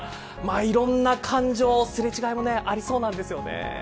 いろんな感情、すれ違いもありそうなんですよね。